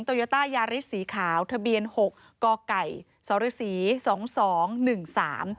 โยต้ายาริสสีขาวทะเบียนหกกไก่สรศรีสองสองหนึ่งสาม